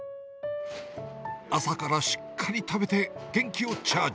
朝からしっかり食べて、元気をチャージ。